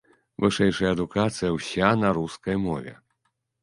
Вышэйшая адукацыя ўся на рускай мове.